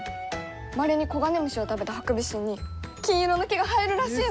まれにコガネムシを食べたハクビシンに金色の毛が生えるらしいの！